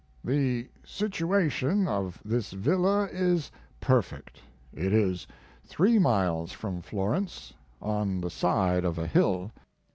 The situation of this villa is perfect. It is three miles from Florence, on the side of a hill.